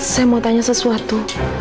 saya mau tanya sesuatu